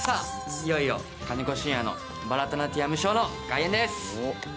いよいよ金子隼也のバラタナティヤムショーの開演です！